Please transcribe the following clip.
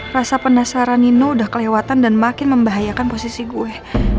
rasa penasaran nino udah kelewatan dan makin membahayakan posisi gue